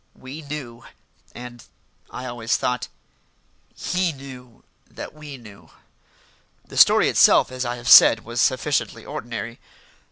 We knew; and, I always thought, he knew that we knew. The story itself, as I have said, was sufficiently ordinary.